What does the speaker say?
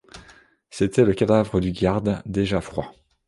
C’était le cadavre du garde, déjà froid.